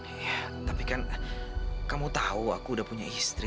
iya tapi kan kamu tahu aku udah punya istri